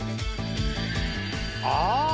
「ああ！」